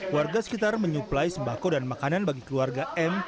warga sekitar menyuplai sembako dan makanan bagi keluarga m